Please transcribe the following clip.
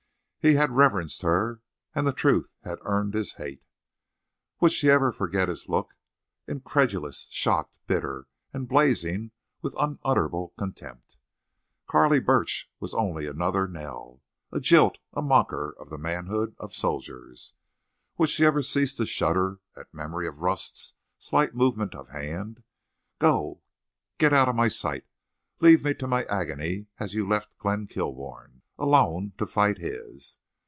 He had reverenced her, and the truth had earned his hate. Would she ever forget his look—incredulous—shocked—bitter—and blazing with unutterable contempt? Carley Burch was only another Nell—a jilt—a mocker of the manhood of soldiers! Would she ever cease to shudder at memory of Rust's slight movement of hand? Go! Get out of my sight! Leave me to my agony as you left Glenn Kilbourne alone to fight his!